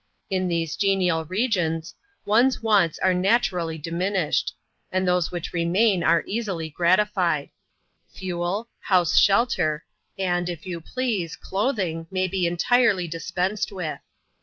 In these genial regions, one's wants are naturally diminished ; and those which remain are easily gratified : fuel, house shelter, and, if you please, clothing, may be entirely dispensed with.